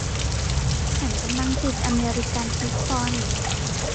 ฉันกำลังติดอเมริกันฟุตบอล